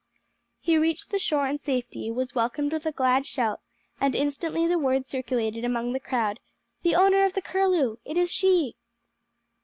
He reached the shore in safety, was welcomed with a glad shout, and instantly the word circulated among the crowd, "The owner of the Curlew. It is she."